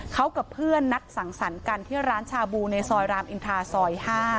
เขากับเพื่อนนัดสังสรรค์กันที่ร้านชาบูในซอยรามอินทราซอย๕